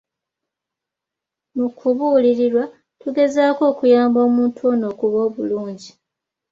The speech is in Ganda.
Mu kubuulirirwa, tugezaako okuyamba omuntu ono okuba obulungi.